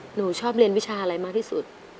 หนูชอบเรียนวิชาอะไรมากที่สุด